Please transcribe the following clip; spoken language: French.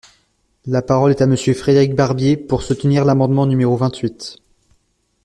La parole est à Monsieur Frédéric Barbier, pour soutenir l’amendement numéro vingt-huit.